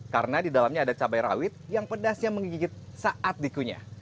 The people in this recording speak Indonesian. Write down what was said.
karena di dalamnya ada cabai rawit yang pedasnya menggigit saat dikunyah